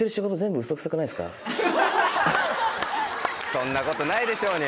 そんなことないでしょうに！